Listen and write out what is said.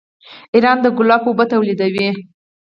ایران د ګلابو اوبه تولیدوي.